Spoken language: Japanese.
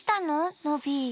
ノビー。